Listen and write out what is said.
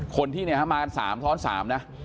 คนที่มากัน๓ถ้อนที่๓